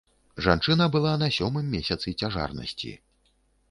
Жанчына была на сёмым месяцы цяжарнасці.